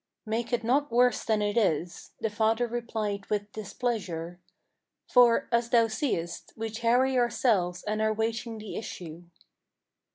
"Make it not worse than it is," the father replied with displeasure. "For, as thou seest, we tarry ourselves and are waiting the issue."